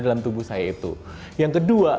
dalam tubuh saya itu yang kedua